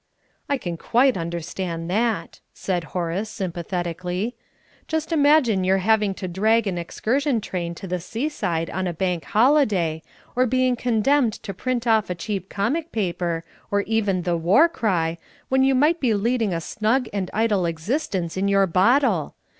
"I can quite understand that," said Horace, sympathetically. "Just imagine your having to drag an excursion train to the seaside on a Bank Holiday, or being condemned to print off a cheap comic paper, or even the War Cry, when you might be leading a snug and idle existence in your bottle.